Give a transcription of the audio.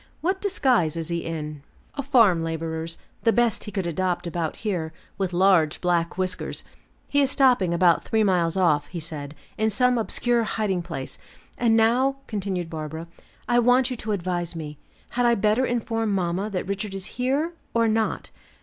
What disguise is he in?" "A farm laborer's, the best he could adopt about here, with large black whiskers. He is stopping about three miles off, he said, in some obscure hiding place. And now," continued Barbara, "I want you to advise me; had I better inform mamma that Richard is here, or not?"